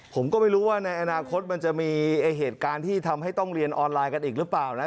ผมก็ไม่รู้ว่าในอนาคตมันจะมีเหตุการณ์ที่ทำให้ต้องเรียนออนไลน์กันอีกหรือเปล่านะ